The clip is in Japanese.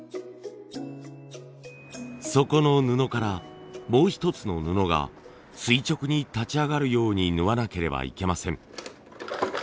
底の布からもう一つの布が垂直に立ち上がるように縫わなければいけません。